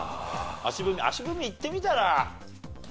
足踏み足踏みいってみたら？